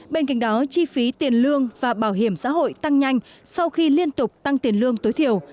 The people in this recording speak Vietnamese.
bên cạnh đó chi phí tiền lương và bảo hiểm xã hội tăng nhanh sau khi liên tục tăng tiền lương tối thiểu